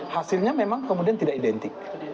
hasilnya memang kemudian tidak identik